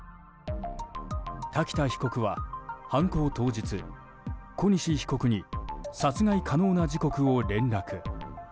瀧田被告は犯行当日、小西被告に殺害可能な時刻を連絡。